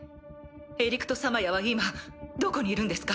エリクト・サマヤは今どこにいるんですか？